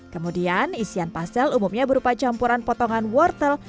kemudian isian pastel umumnya berupa campuran potongan wortel